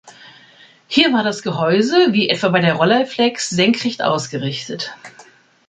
Hier war das Gehäuse wie etwa bei der Rolleiflex senkrecht ausgerichtet.